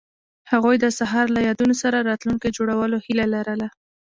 هغوی د سهار له یادونو سره راتلونکی جوړولو هیله لرله.